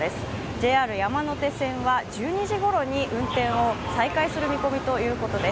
ＪＲ山手線は１２時ごろに運転を再開する見込みということです。